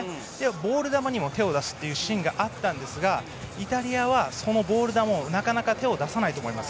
ボール球にも手を出すシーンがあったんですがイタリアはそのボール球になかなか手を出さないと思います。